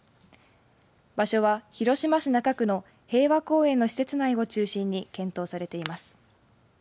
場所は広島市中区の平和公園の施設内を中心に検討されています。